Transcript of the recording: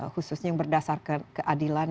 khususnya yang berdasarkan keadilan